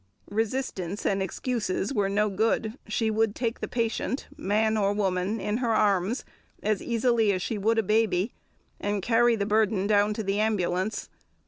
Resistance and excuses were no good; she would take the patient, man or woman, in her arms as easily as she would a baby, and carry the burden down to the ambulance.